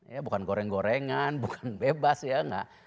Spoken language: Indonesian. ya bukan goreng gorengan bukan bebas ya